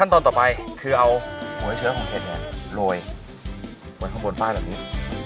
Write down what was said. วันต่อไปคือเอาบริเวษเชื้อของเห็ดแห่งโรยบนผ้าแบบนี้